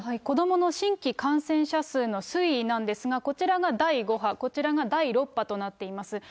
子どもの新規感染者数の推移なんですが、こちらが第５波、こちらが第６波となっています。